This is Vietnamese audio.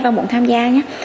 và muốn tham gia nhé